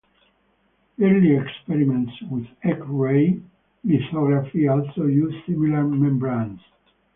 Early experiments with X-ray lithography also used similar membranes.